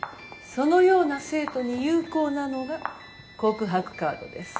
そのような生徒に有効なのが告白カードです。